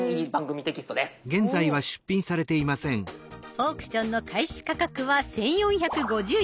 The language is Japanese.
オークションの開始価格は１，４５０円。